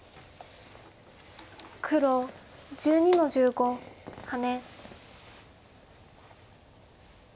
黒１２の十五ハネ。